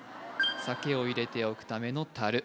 酒を入れておくためのたる